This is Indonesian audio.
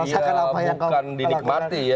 ya bukan dinikmati ya